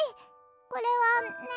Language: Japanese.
これはね。